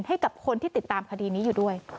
ให้กับคนที่ติดตามคดีนี้อยู่ด้วย